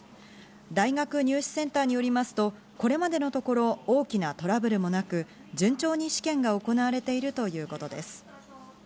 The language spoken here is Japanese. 大学入試センターによりますとこれまでのところ大きなトラブルもなく、順調に試験が行われているということです。